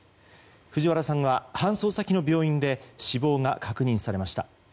藤原さんは搬送先の病院で死亡が確認されました。